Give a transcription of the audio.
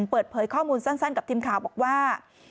เปิดเผยข้อมูลสั้นกับทีมข่าวบอกว่า